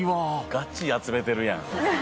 がっちり集めてるやん